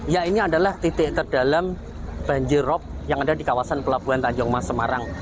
ya ini adalah titik terdalam banjir rob yang ada di kawasan pelabuhan tanjung mas semarang